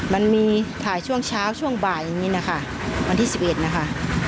มันมีถ่ายช่วงเช้าช่วงบ่ายอย่างนี้นะคะวันที่๑๑นะคะ